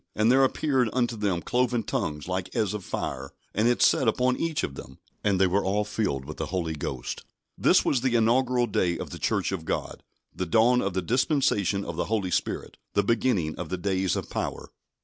And there appeared unto them cloven tongues like as of fire, and it sat upon each of them. And they were all filled with the Holy Ghost." This was the inaugural day of the Church of God: the dawn of the dispensation of the Holy Spirit; the beginning of the days of power.